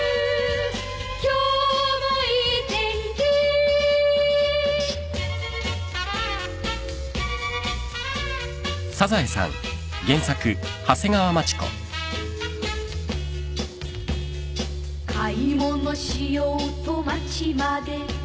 「今日もいい天気」「買い物しようと街まで」